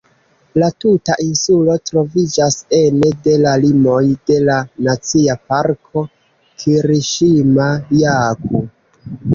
La tuta insulo troviĝas ene de la limoj de la Nacia Parko "Kiriŝima-Jaku".